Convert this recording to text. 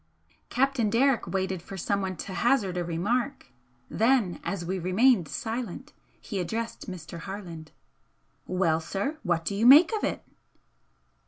Captain Derrick waited for someone to hazard a remark, then, as we remained silent, he addressed Mr. Harland "Well, sir, what do you make of it?"